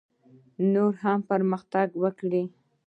نور هم پرمختګ وکړي.